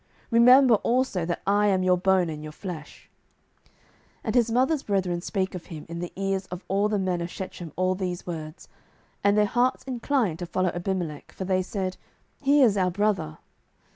remember also that I am your bone and your flesh. 07:009:003 And his mother's brethren spake of him in the ears of all the men of Shechem all these words: and their hearts inclined to follow Abimelech; for they said, He is our brother.